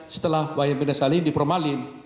setelah wayemirna salihin dipromalin